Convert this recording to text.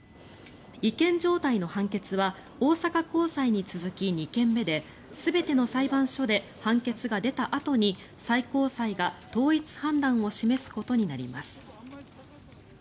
違憲状態の判決は大阪高裁に続き２件目で全ての裁判所で判決が出たあとに最高裁が統一判断を示すことになります。